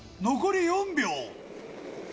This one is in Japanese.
残り４秒。